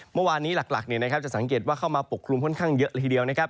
เมื่อวานนี้หลักจะสังเกตว่าเข้ามาปกคลุมค่อนข้างเยอะเลยทีเดียวนะครับ